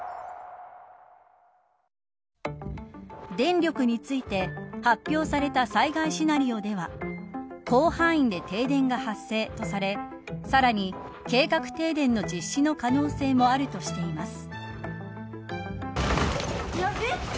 電力について発表された災害シナリオでは広範囲で停電が発生とされさらに計画停電の実施の可能性もあるとしています。